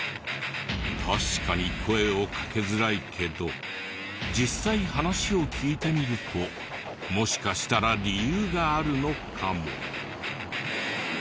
確かに声をかけづらいけど実際話を聞いてみるともしかしたら理由があるのかも。